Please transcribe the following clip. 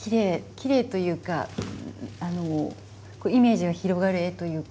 きれいというかイメージが広がる絵というか。